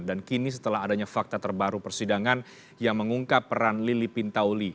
dan kini setelah adanya fakta terbaru persidangan yang mengungkap peran lili pintauli